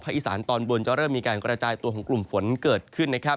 อีสานตอนบนจะเริ่มมีการกระจายตัวของกลุ่มฝนเกิดขึ้นนะครับ